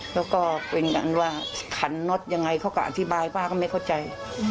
แล้วก็เป็นกันว่าขันน็อตยังไงเขาก็อธิบายป้าก็ไม่เข้าใจ